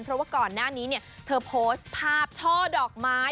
เพราะว่าก่อนหน้านี้เนี่ยเธอโพสต์ภาพช่อดอกไม้